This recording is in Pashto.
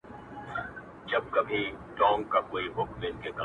مینه چي مو وڅاڅي له ټولو اندامو,